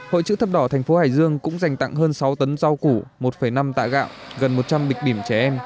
hội chữ thập đỏ thành phố hải dương cũng dành tặng hơn sáu tấn rau củ một năm tạ gạo gần một trăm linh bịch bìm trẻ em